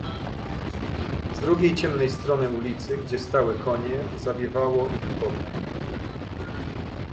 "Z drugiej, ciemnej strony ulicy, gdzie stały konie, zawiewało ich potem."